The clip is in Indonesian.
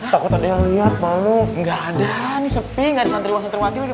takut ada yang lihat kamu enggak ada nih sepi ngarep santriwa santriwati lagi